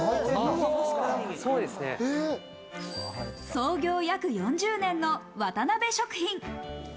創業約４０年の渡辺食品。